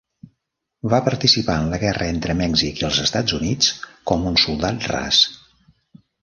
Va participar en la Guerra entre Mèxic i els Estats Units com un soldat ras.